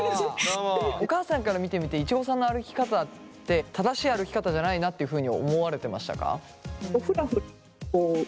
お母さんから見てみていちごさんの歩き方って正しい歩き方じゃないなっていうふうに思われてましたか？